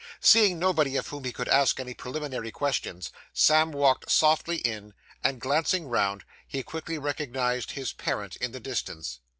Seeing nobody of whom he could ask any preliminary questions, Sam walked softly in, and glancing round, he quickly recognised his parent in the distance.